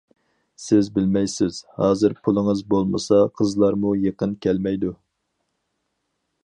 سىز بىلمەيسىز ھازىر پۇلىڭىز بولمىسا قىزلارمۇ يېقىن كەلمەيدۇ.